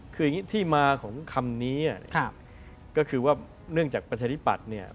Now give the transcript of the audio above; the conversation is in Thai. คืออย่างนี้ที่มาของคำนี้ก็คือว่าเนื่องจากประชาธิปัตย์เนี่ย